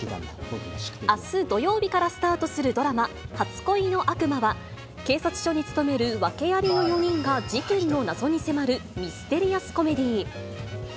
あす土曜日からスタートするドラマ、初恋の悪魔は、警察署に勤める訳ありの４人が事件の謎に迫るミステリアスコメディー。